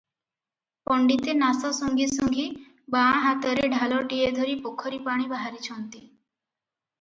ପଣ୍ତିତେ ନାଶ ସୁଙ୍ଘି ସୁଙ୍ଘି ବାଁ ହାତରେ ଢାଳଟିଏ ଧରି ପୋଖରୀପାଣି ବାହାରିଛନ୍ତି ।